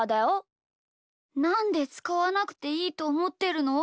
なんでつかわなくていいとおもってるの？